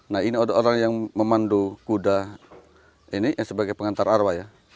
nah ini ada orang yang memandu kuda ini sebagai pengantar arwah ya